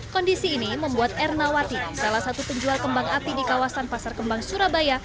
kondisi ini membuat ernawati salah satu penjual kembang api di kawasan pasar kembang surabaya